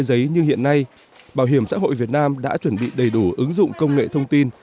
giấy như hiện nay bảo hiểm xã hội việt nam đã chuẩn bị đầy đủ ứng dụng công nghệ thông tin